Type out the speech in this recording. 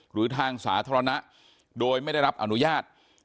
หรือทางสาธารณะโดยไม่ได้รับอนุญาต